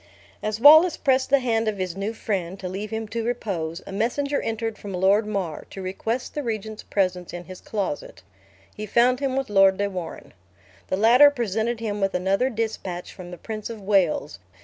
As Wallace pressed the hand of his new friend, to leave him to repose, a messenger entered from Lord Mar, to request the regent's presence in his closet. He found him with Lord de Warenne. The latter presented him with another dispatch from the Prince of Wales.